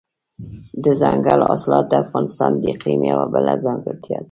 دځنګل حاصلات د افغانستان د اقلیم یوه بله ځانګړتیا ده.